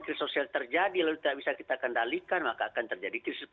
dan kalau kemiskinan itu terjadi lalu tidak bisa kita kendalikan maka akan terjadi krisis sosial